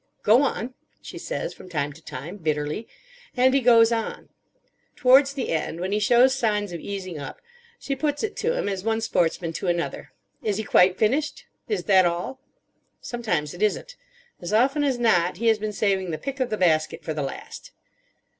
"Go on," she says from time to time, bitterly. And he goes on. Towards the end, when he shows signs of easing up, she puts it to him as one sportsman to another: Is he quite finished? Is that all? Sometimes it isn't. As often as not he has been saving the pick of the basket for the last.